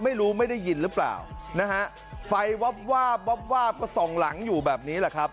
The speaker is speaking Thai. ไม่รู้ไม่ได้ยินหรือเปล่าฟัยวาบก็ส่องหลังอยู่แบบนี้